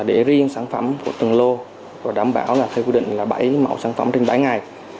để riêng sản phẩm của từng lô và đảm bảo là theo quy định là bảy mẫu sản phẩm trên bảy ngày